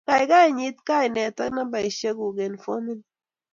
Kaikai inyit kainet ak nambeshek kuk eng fomini